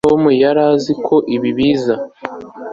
Tom yari azi ko ibi biza